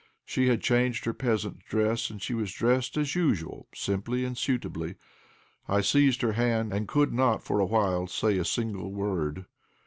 She had changed her peasant dress, and was dressed as usual, simply and suitably. I seized her hand, and could not for a while say a single word.